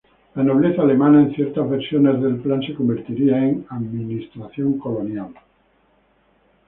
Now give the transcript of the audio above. La nobleza alemana en ciertas versiones del plan se convertiría en "administración colonial".